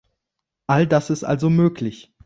All das ist also möglich.